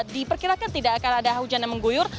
diperkirakan tidak akan ada hujan yang mengguyur